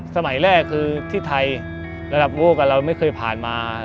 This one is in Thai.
สมัยแรกคือที่ไทยระดับโลกเราไม่เคยผ่านมา